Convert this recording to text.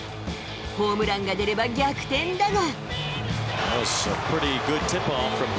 ホームランが出れば逆転だが。